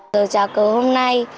từ trào cờ hôm nay